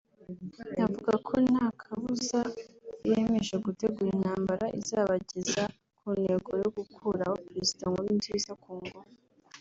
avuga ko nta kabuza biyemeje gutegura intambara izabageza ku ntego yo gukuraho Perezida Nkurunziza ku ngufu